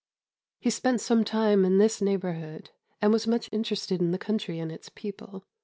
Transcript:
He spent some time in this neighbourhood, and was much interested in the country and its people.